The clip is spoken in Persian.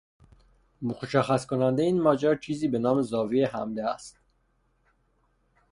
مشخص کننده این ماجرا چیزی به نام زاویه حمله است.